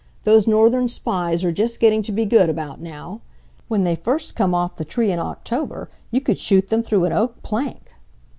Those Northern Spies are just getting to be good about now. When they first come off the tree in October you could shoot them through an oak plank."